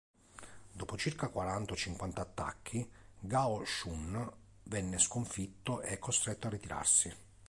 Dopo circa quaranta o cinquanta attacchi, Gao Shun venne sconfitto e costretto a ritirarsi.